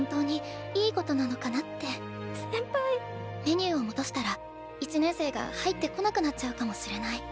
メニューを戻したら１年生が入ってこなくなっちゃうかもしれない。